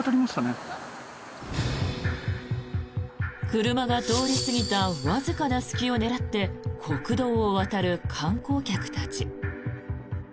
車が通りすぎたわずかな隙を狙って国道を渡る観光客たち。